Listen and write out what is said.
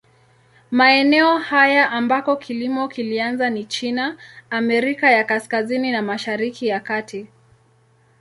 Maeneo haya ambako kilimo kilianza ni China, Amerika ya Kaskazini na Mashariki ya Kati.